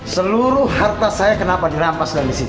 seluruh harta saya kenapa dirampas dari situ